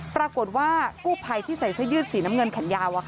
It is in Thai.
ปรากฏว่ากู้ภัยที่ใส่เสื้อยืดสีน้ำเงินแขนยาว